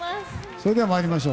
それでは参りましょう。